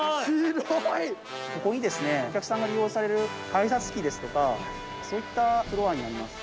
ここにですねお客さんが利用される改札機ですとかそういったフロアになります。